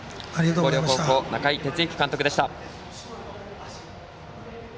広陵高校、中井哲之監督でした。